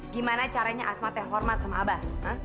gimana caranya asma teh hormat sama abah